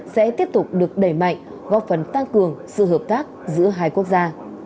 sẽ tiếp tục được đẩy mạnh góp phần tăng cường sự hợp tác giữa hai quốc gia